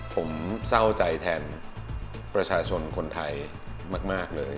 ผมเศร้าใจแทนประชาชนคนไทยมากเลย